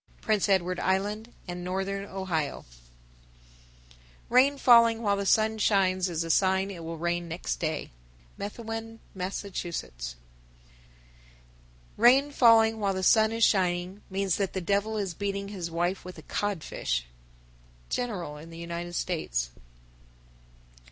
Prince Edward Island and Northern Ohio. 978. Rain falling while the sun shines is a sign it will rain next day. Methuen, Mass. 979. Rain falling while the sun is shining means that the devil is beating his wife with a codfish. _General in the United States.